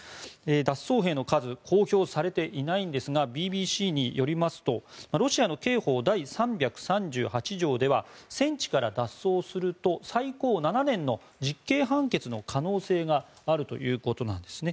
脱走兵の数公表されていないんですがＢＢＣによりますとロシアの刑法第３３８条では戦地から脱走すると最高７年の実刑判決の可能性があるということです。